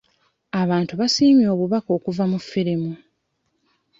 Abantu baasiimye obubaka okuva mu firimu.